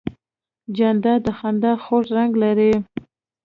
جانداد د خندا خوږ رنګ لري.